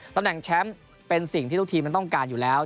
ตำแหน่งแชมป์เป็นสิ่งที่ทุกทีมมันต้องการอยู่แล้ว